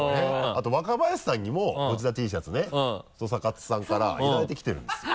あと若林さんにもおじたＴシャツね土佐かつさんからいただいてきてるんですよ。